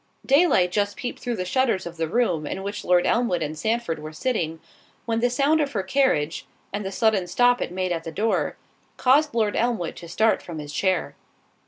Daylight just peeped through the shutters of the room in which Lord Elmwood and Sandford were sitting, when the sound of her carriage, and the sudden stop it made at the door, caused Lord Elmwood to start from his chair.